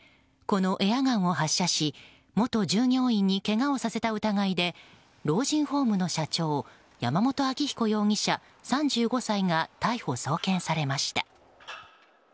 このエアガンを発射し元従業員にけがをさせた疑いで老人ホームの社長山本明彦容疑者、３５歳が逮捕・送検されました。